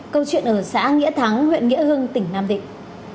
câu chuyện ở xã nghĩa thắng huyện nghĩa hưng tỉnh nam định